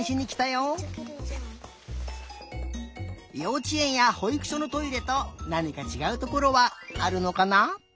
ようちえんやほいくしょのトイレとなにかちがうところはあるのかな？